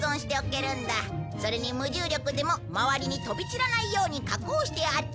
それに無重力でもまわりに飛び散らないように加工してあって。